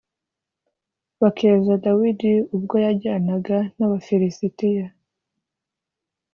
bakeza Dawidi ubwo yajyanaga n Abafilisitiya.